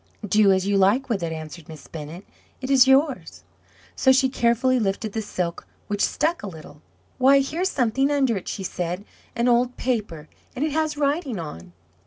"Do as you like with it," answered Miss Bennett; "it is yours." So she carefully lifted the silk, which stuck a little. "Why, here's something under it," she said "an old paper, and it has writing on."